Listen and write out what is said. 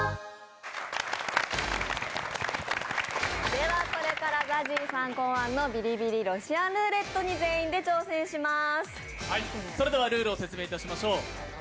ではこれからＺＡＺＹさん考案のビリビリロシアンルーレットに全員で挑戦します。